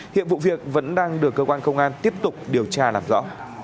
hiện vụ việc vẫn đang được cơ quan công an tiếp tục điều tra làm rõ